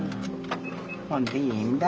ほんでいいんだ。